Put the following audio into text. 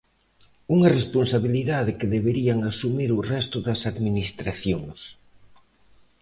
Unha responsabilidade que deberían asumir o resto das administracións.